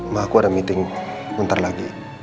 mbak aku ada meeting bentar lagi